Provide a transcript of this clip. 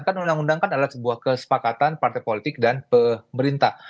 kan undang undang kan adalah sebuah kesepakatan partai politik dan pemerintah